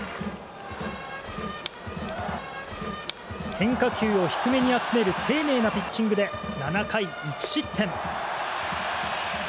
変化球を低めに集める丁寧なピッチングで７回１失点。